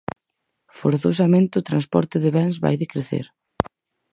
Forzosamente o transporte de bens vai decrecer.